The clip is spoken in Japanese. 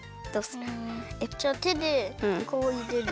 えっ？じゃあてでこういれる。